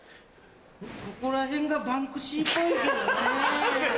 ここら辺がバンクシーっぽいけどねぇ。